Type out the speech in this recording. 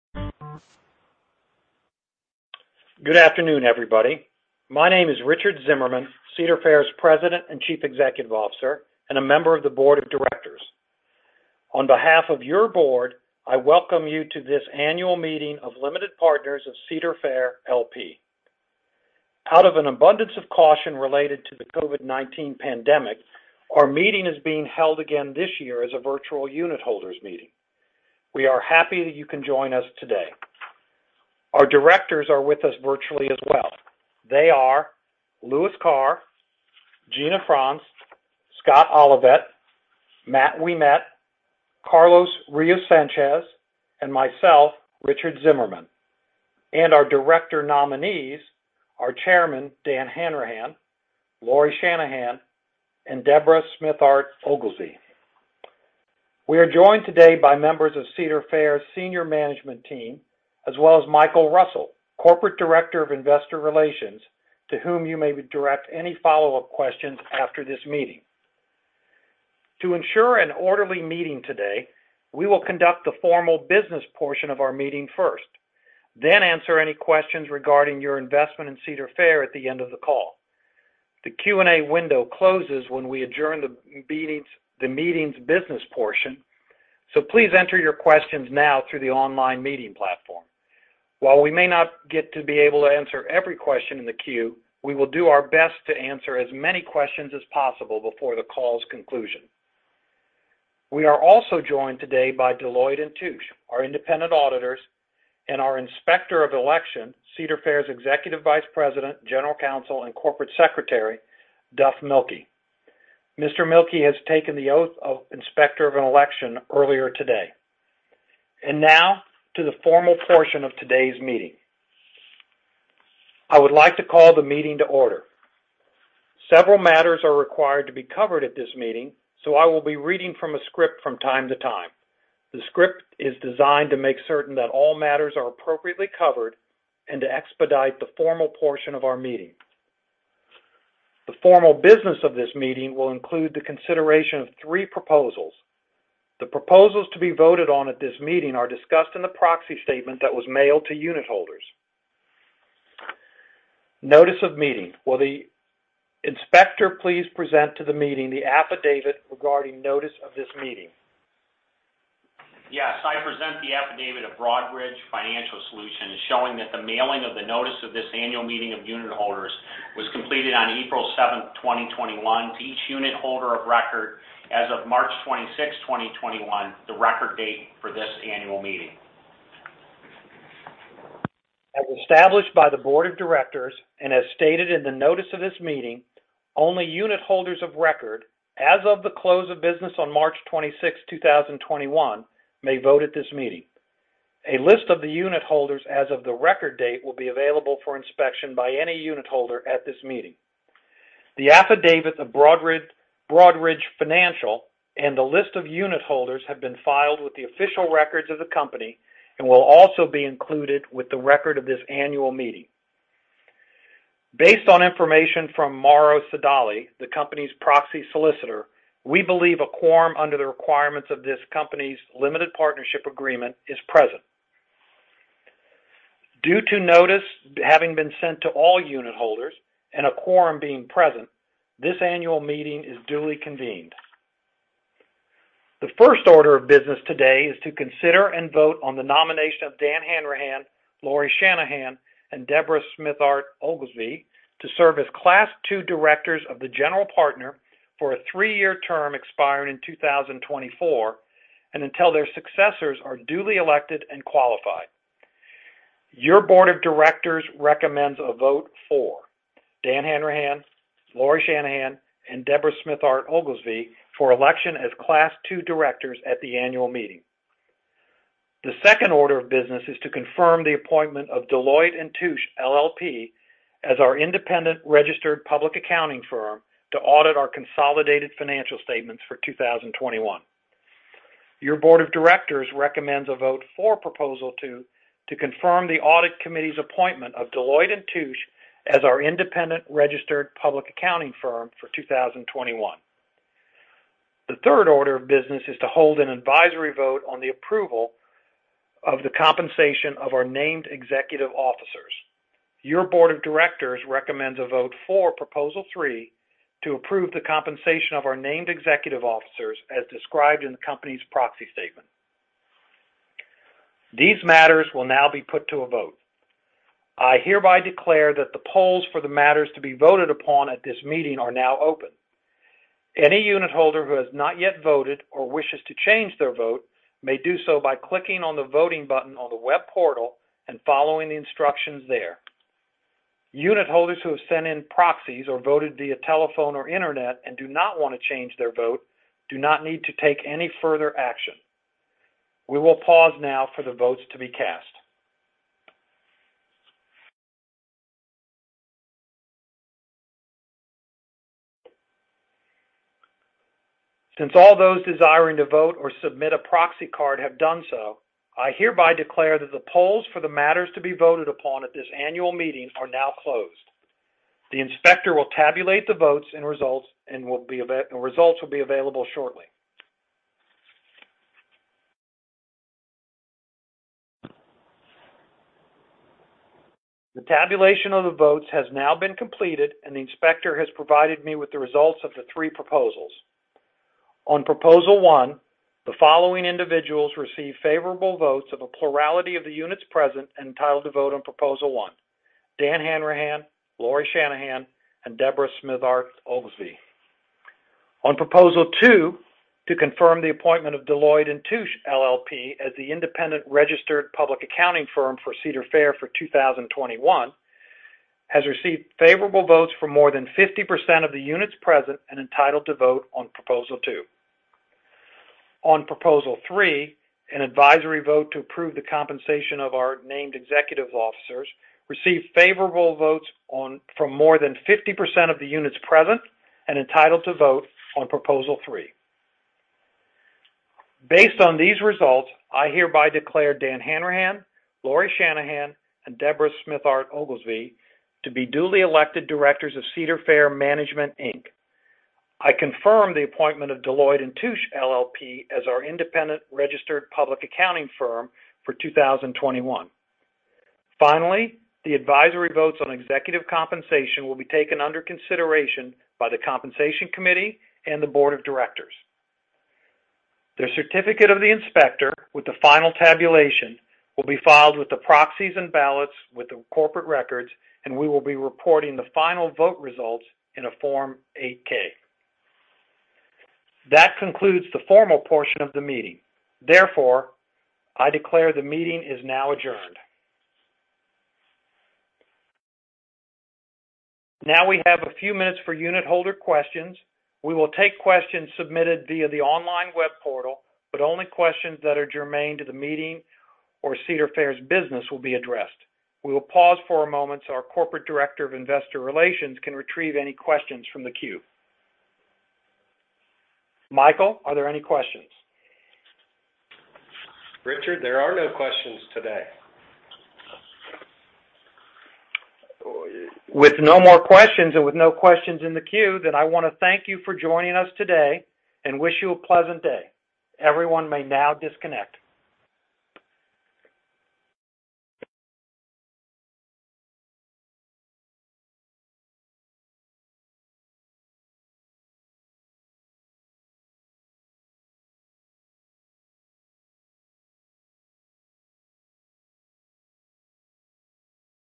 Good afternoon, everybody. My name is Richard Zimmerman, Cedar Fair's President and Chief Executive Officer, and a member of the board of directors. On behalf of your board, I welcome you to this annual meeting of limited partners of Cedar Fair, L.P. Out of an abundance of caution related to the COVID-19 pandemic, our meeting is being held again this year as a virtual unitholders meeting. We are happy that you can join us today. Our directors are with us virtually as well. They are Louis Carr, Gina France, Scott Olivet, Matt Ouimet, Carlos Ruisanchez, and myself, Richard Zimmerman. And our director nominees are Chairman Dan Hanrahan, Lauri Shanahan, and Debra Smithart-Oglesby. We are joined today by members of Cedar Fair's senior management team, as well as Michael Russell, Corporate Director of Investor Relations, to whom you may direct any follow-up questions after this meeting. To ensure an orderly meeting today, we will conduct the formal business portion of our meeting first, then answer any questions regarding your investment in Cedar Fair at the end of the call. The Q&A window closes when we adjourn the meeting's business portion, so please enter your questions now through the online meeting platform. While we may not get to be able to answer every question in the queue, we will do our best to answer as many questions as possible before the call's conclusion. We are also joined today by Deloitte & Touche, our independent auditors, and our inspector of election, Cedar Fair's Executive Vice President, General Counsel, and Corporate Secretary, Duff Milkie. Mr. Milkie has taken the oath of inspector of election earlier today. And now to the formal portion of today's meeting. I would like to call the meeting to order. Several matters are required to be covered at this meeting, so I will be reading from a script from time to time. The script is designed to make certain that all matters are appropriately covered and to expedite the formal portion of our meeting. The formal business of this meeting will include the consideration of three proposals. The proposals to be voted on at this meeting are discussed in the proxy statement that was mailed to unitholders. Notice of meeting. Will the inspector please present to the meeting the affidavit regarding notice of this meeting? Yes, I present the affidavit of Broadridge Financial Solutions, showing that the mailing of the notice of this annual meeting of unitholders was completed on April 7th, 2021, to each unitholder of record as of March 26th, 2021, the record date for this annual meeting. As established by the board of directors and as stated in the notice of this meeting, only unitholders of record as of the close of business on March 26th, 2021, may vote at this meeting. A list of the unitholders as of the record date will be available for inspection by any unitholder at this meeting. The affidavit of Broadridge Financial Solutions and the list of unitholders have been filed with the official records of the company and will also be included with the record of this annual meeting. Based on information from Morrow Sodali, the company's proxy solicitor, we believe a quorum under the requirements of this company's limited partnership agreement is present. Due to notice having been sent to all unitholders and a quorum being present, this annual meeting is duly convened. The first order of business today is to consider and vote on the nomination of Dan Hanrahan, Lauri Shanahan, and Debra Smithart-Oglesby to serve as Class II directors of the general partner for a three-year term expiring in 2024, and until their successors are duly elected and qualified. Your board of directors recommends a vote for Dan Hanrahan, Lauri Shanahan, and Debra Smithart-Oglesby for election as Class II directors at the annual meeting. The second order of business is to confirm the appointment of Deloitte & Touche, LLP, as our independent registered public accounting firm to audit our consolidated financial statements for 2021. Your board of directors recommends a vote for Proposal 2 to confirm the audit committee's appointment of Deloitte & Touche as our independent registered public accounting firm for 2021. The third order of business is to hold an advisory vote on the approval of the compensation of our named executive officers. Your board of directors recommends a vote for Proposal 3 to approve the compensation of our named executive officers as described in the company's proxy statement. These matters will now be put to a vote. I hereby declare that the polls for the matters to be voted upon at this meeting are now open. Any unitholder who has not yet voted or wishes to change their vote may do so by clicking on the voting button on the web portal and following the instructions there. Unitholders who have sent in proxies or voted via telephone or internet and do not want to change their vote do not need to take any further action. We will pause now for the votes to be cast. Since all those desiring to vote or submit a proxy card have done so, I hereby declare that the polls for the matters to be voted upon at this annual meeting are now closed. The inspector will tabulate the votes and results, and results will be available shortly. The tabulation of the votes has now been completed, and the inspector has provided me with the results of the three proposals. On Proposal 1, the following individuals received favorable votes of a plurality of the units present and entitled to vote on Proposal 1: Dan Hanrahan, Lauri Shanahan, and Debra Smithart-Oglesby. On Proposal 2, to confirm the appointment of Deloitte & Touche LLP as the independent registered public accounting firm for Cedar Fair for 2021, has received favorable votes for more than 50% of the units present and entitled to vote on Proposal 2. On Proposal 3, an advisory vote to approve the compensation of our named executive officers, received favorable votes from more than 50% of the units present and entitled to vote on Proposal 3. Based on these results, I hereby declare Dan Hanrahan, Lauri Shanahan, and Debra Smithart-Oglesby to be duly elected directors of Cedar Fair Management, Inc. I confirm the appointment of Deloitte & Touche LLP as our independent registered public accounting firm for 2021. Finally, the advisory votes on executive compensation will be taken under consideration by the Compensation Committee and the Board of Directors. The certificate of the inspector with the final tabulation will be filed with the proxies and ballots with the corporate records, and we will be reporting the final vote results in a Form 8-K. That concludes the formal portion of the meeting. Therefore, I declare the meeting is now adjourned. Now we have a few minutes for Unitholder questions. We will take questions submitted via the online web portal, but only questions that are germane to the meeting or Cedar Fair's business will be addressed. We will pause for a moment so our Corporate Director of Investor Relations can retrieve any questions from the queue. Michael, are there any questions? Richard, there are no questions today. With no more questions and with no questions in the queue, then I wanna thank you for joining us today and wish you a pleasant day. Everyone may now disconnect.